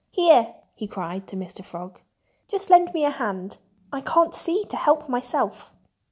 "Here!" he cried to Mr. Frog. "Just lend me a hand! I can't see to help myself."